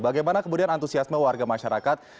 bagaimana kemudian antusiasme warga masyarakat